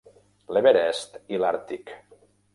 L'Everest i l'Àrtic.